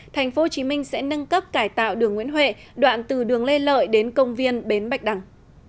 tp hcm sẽ nâng cấp cải tạo đường nguyễn huệ đoạn từ đường lê lợi đến công viên bến bạch đằng